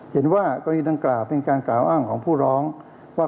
เห็นว่ากรณีดังกล่าวเป็นการกล่าวอ้างของผู้ร้องว่า